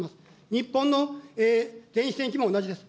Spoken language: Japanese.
日本の電子も同じです。